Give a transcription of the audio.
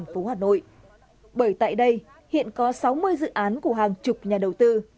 tại đây hiện có sáu mươi dự án của hàng chục nhà đầu tư